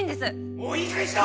もういいかげんにしろ！